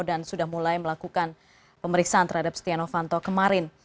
dan sudah mulai melakukan pemeriksaan terhadap setia novanto kemarin